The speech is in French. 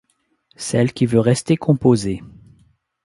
Celle qui veut rester composée.